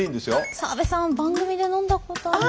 澤部さん番組で飲んだことある。